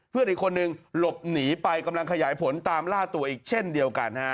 เพื่อนอีกคนนึงหลบหนีไปกำลังขยายผลตามล่าตัวอีกเช่นเดียวกันฮะ